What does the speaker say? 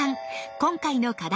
今回の課題